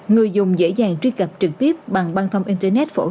người dùng dễ dàng truy cập trực tiếp bằng băng thông internet phổ biến